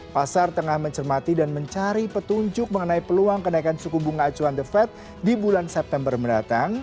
pasar tengah mencermati dan mencari petunjuk mengenai peluang kenaikan suku bunga acuan the fed di bulan september mendatang